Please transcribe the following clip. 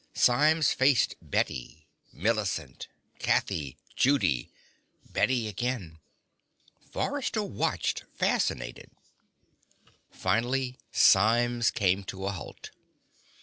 Symes faced Bette ... Millicent ... Kathy ... Judy ... Bette again ... Forrester watched, fascinated. Finally, Symes came to a halt.